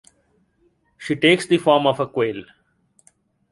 She takes the form of a quail.